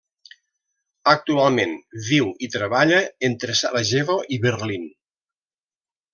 Actualment viu i treballa entre Sarajevo i Berlín.